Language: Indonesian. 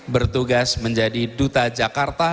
bertugas menjadi duta jakarta